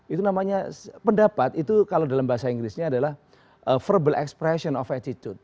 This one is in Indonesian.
itu namanya pendapat itu kalau dalam bahasa inggrisnya adalah verbal expression of attitude